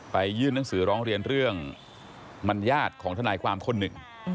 ยื่นหนังสือร้องเรียนเรื่องมัญญาติของทนายความคนหนึ่ง